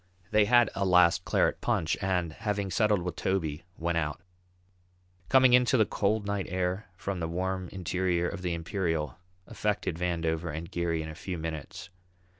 They had a last claret punch and, having settled with Toby, went out. Coming out into the cold night air from the warm interior of the Imperial affected Vandover and Geary in a few minutes.